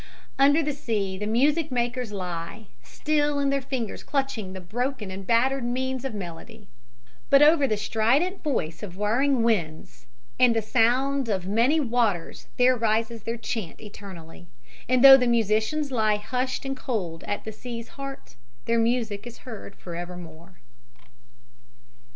Under the sea the music makers lie, still in their fingers clutching the broken and battered means of melody; but over the strident voice of warring winds and the sound of many waters there rises their chant eternally; and though the musicians lie hushed and cold at the sea's heart, their music is heard forevermore.